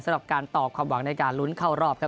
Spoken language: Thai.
สำหรับการตอบความหวังในการลุ้นเข้ารอบครับ